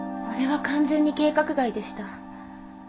あれは完全に計画外でした。